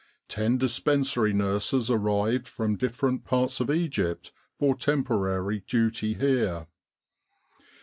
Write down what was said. Ten Dispensary nurses arrived from different parts of Egypt for temporary duty here.